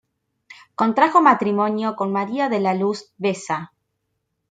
Contrajo matrimonio con María de la Luz Besa.